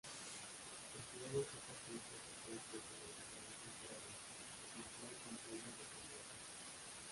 El jurado está compuesto por tres personalidades literarias, que actúan con plena independencia.